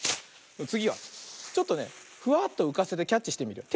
つぎはちょっとねフワッとうかせてキャッチしてみるよ。